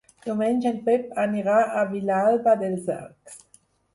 Diumenge en Pep anirà a Vilalba dels Arcs.